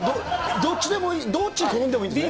どっちでもいい、どっちに転んでもいいんですね。